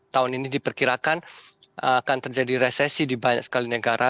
tahun ini diperkirakan akan terjadi resesi di banyak sekali negara